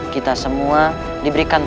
kita semua diberikan